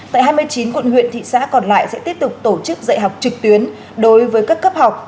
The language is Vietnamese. tại hai mươi chín quận huyện thị xã còn lại sẽ tiếp tục tổ chức dạy học trực tuyến đối với các cấp học